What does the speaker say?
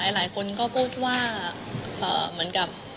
หลายคนก็พูดว่าเหมือนกับ